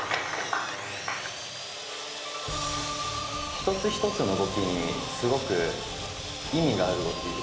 一つ一つの動きにすごく意味がある動き。